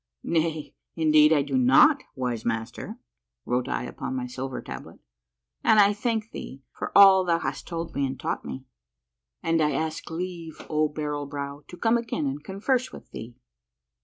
" Nay, indeed I do not, wise Master," wrote I upon my silver tablet :" and I thank thee for all thou has told me and taught me, and I ask leave, O Barrel Brow, to come again and converse with thee."